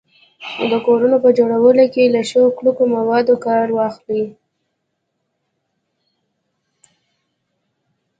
د کورونو په جوړولو کي له ښو کلکو موادو کار واخلو